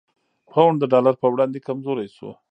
پونډ د ډالر په وړاندې کمزوری شو؛